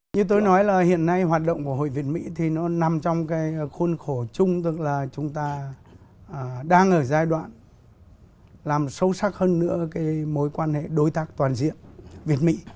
như tôi nói là hiện nay hoạt động của hội việt mỹ thì nó nằm trong cái khuôn khổ chung tức là chúng ta đang ở giai đoạn làm sâu sắc hơn nữa cái mối quan hệ đối tác toàn diện việt mỹ